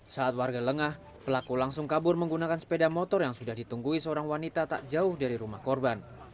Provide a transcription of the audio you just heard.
saat warga lengah pelaku langsung kabur menggunakan sepeda motor yang sudah ditunggui seorang wanita tak jauh dari rumah korban